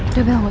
udah belom gue